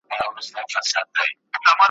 د اجل د ښکاري غشي پر وزر یمه ویشتلی `